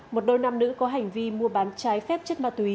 một đôi nam nữ có hành vi mua bán trái phép chất ma túy